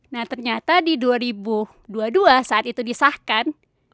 nah ternyata di dua ribu dua puluh dua saat itu disahkan